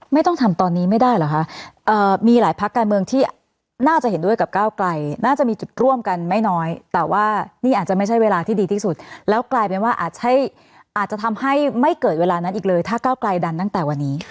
ไม่ต้องทำตอนนี้ไม่ได้เหรอคะมีหลายพักการเมืองที่น่าจะเห็นด้วยกับก้าวไกลน่าจะมีจุดร่วมกันไม่น้อยแต่ว่านี่อาจจะไม่ใช่เวลาที่ดีที่สุดแล้วกลายเป็นว่าอาจจะทำให้ไม่เกิดเวลานั้นอีกเลยถ้าก้าวไกลดันตั้งแต่วันนี้